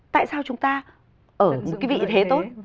tại sao chúng ta ở cái vị thế tốt